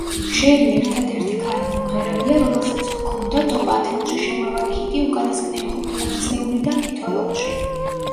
შერი ერთადერთი ქალი მომღერალია რომელსაც ჰქონდა ტოპ ათეულში შემავალი ჰიტი უკანასკნელი ხუთი ათწლეულიდან თითოეულში.